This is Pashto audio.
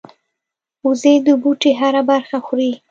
وزې د بوټي هره برخه خوري